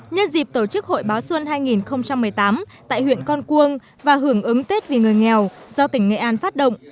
nhân dịp tổ chức hội báo xuân hai nghìn một mươi tám tại huyện con cuông và hưởng ứng tết vì người nghèo do tỉnh nghệ an phát động